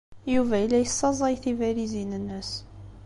Yuba yella yessaẓay tibalizin-nnes.